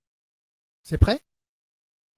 C’est prêt ?